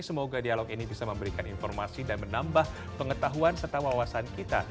semoga dialog ini bisa memberikan informasi dan menambah pengetahuan serta wawasan kita